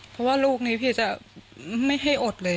เพราะว่าลูกนี้พี่จะไม่ให้อดเลย